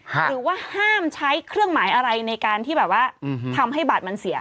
หรือว่าห้ามใช้เครื่องหมายอะไรในการที่แบบว่าทำให้บัตรมันเสีย